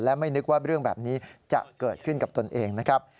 และไม่นึกว่าเรื่องแบบนี้จะเกิดขึ้นกับตนเองนะครับ